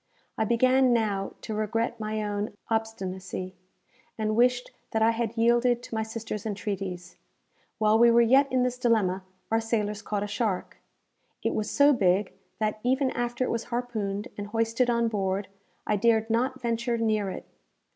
I began now to regret my own obstinacy, and wished that I had yielded to my sister's entreaties. While we were yet in this dilemma, our sailors caught a shark. It was so big, that, even after it was harpooned and hoisted on board, I dared not venture near it.